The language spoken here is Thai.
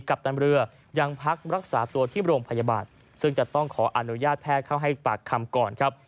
ปตันเรือยังพักรักษาตัวที่โรงพยาบาลซึ่งจะต้องขออนุญาตแพทย์เข้าให้ปากคำก่อนครับ